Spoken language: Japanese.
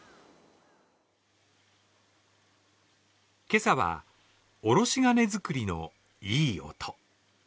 今朝はおろし金作りのいい音。